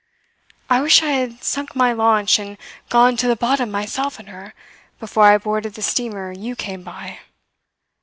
I wish I had sunk my launch, and gone to the bottom myself in her, before I boarded the steamer you came by.